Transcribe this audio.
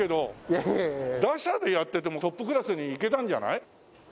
打者でやっててもトップクラスにいけたんじゃない？